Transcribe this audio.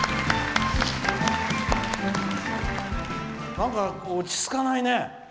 なんか、落ち着かないね。